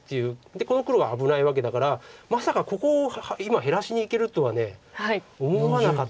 でこの黒は危ないわけだからまさかここを今減らしにいけるとは思わなかったんですよね。